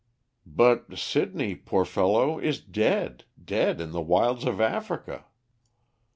"But Sidney, poor fellow, is dead; dead in the wilds of Africa."